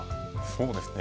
そうですね。